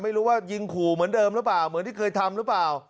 ไม่รู้ว่ายิงขู่เหมือนเดิมหรือเปล่าเหมือนที่เคยทำหรือเปล่า